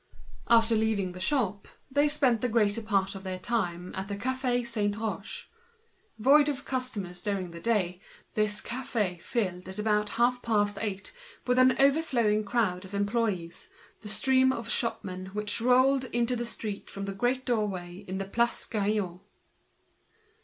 After leaving the shop, they spent the greater part of their time at the Café Saint Roch. Quite free from customers during the day, this café filled up about half past eight with an overflowing crowd of employees, that crowd of shopmen disgorged into the street from the great door in the Place Gaillon.